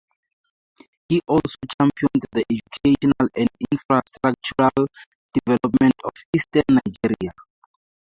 He also championed the educational and infrastructural development of Eastern Nigeria.